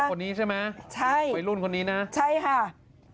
คนนี้ใช่ไหมวัยรุ่นคนนี้นะใช่ค่ะคุณพงเทพใช่ค่ะ